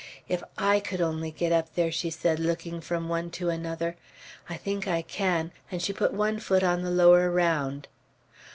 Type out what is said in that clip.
"If I could only get up there!" she said, looking from one to another. "I think I can;" and she put one foot on the lower round.